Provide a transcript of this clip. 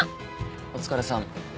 お疲れさん。